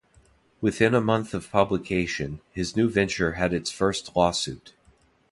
Within a month of publication, his new venture had its first lawsuit.